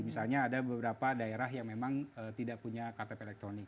misalnya ada beberapa daerah yang memang tidak punya ktp elektronik